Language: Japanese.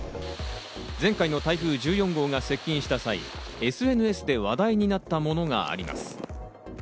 前回の台風１４号が接近した際、ＳＮＳで話題になったものがあります。